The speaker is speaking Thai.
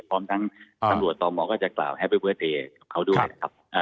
พร้อมทั้งตำรวจต่อหมอก็จะกล่าวแฮปปี้เวิร์สเตย์ของเขาด้วยนะครับ